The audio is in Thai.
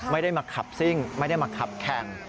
ไม่ได้มาขับซิ่งไม่ได้มาขับแข่ง